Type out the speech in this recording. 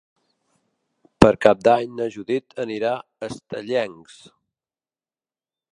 Per Cap d'Any na Judit anirà a Estellencs.